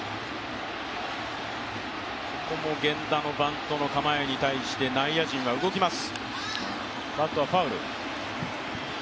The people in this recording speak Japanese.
ここも源田のバントの構えに対して内野陣も動きます。